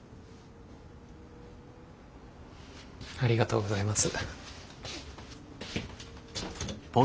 ありがとうございます。